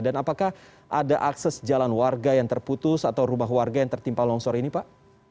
dan apakah ada akses jalan warga yang terputus atau rumah warga yang tertimpa longsor ini pak